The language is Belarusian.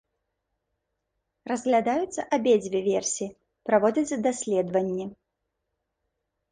Разглядаюцца абедзве версіі, праводзяцца даследаванні.